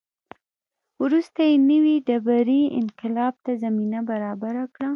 وروسته یې نوې ډبرې انقلاب ته زمینه برابره کړه.